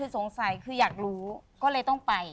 สงสัยเราก็เลยต้องไป